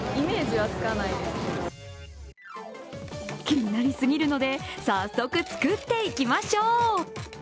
気になりすぎるので早速、作っていきましょう。